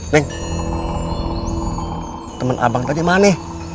neng temen abang tadi mana